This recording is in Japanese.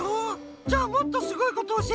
⁉じゃあもっとすごいことおしえてあげる。